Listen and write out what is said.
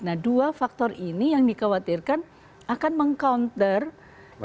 nah dua faktor ini yang dikhawatirkan akan meng counter ekonomi